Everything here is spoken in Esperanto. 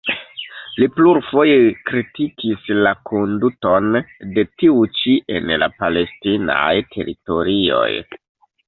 Li plurfoje kritikis la konduton de tiu ĉi en la palestinaj teritorioj.